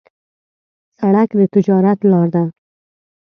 سړک د تجارت لار ده.